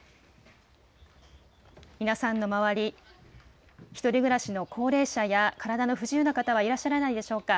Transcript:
皆さんの周り、１人暮らしの高齢者や体の不自由な方はいらっしゃらないでしょうか。